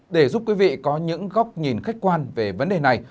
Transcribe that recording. để giúp quý vị có những góc nhìn khách quan về vấn đề này